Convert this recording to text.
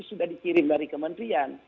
sudah dikirim dari kementerian